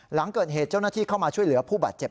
หลังเกิดเหตุเจ้าหน้าที่เข้ามาช่วยเหลือผู้บาดเจ็บ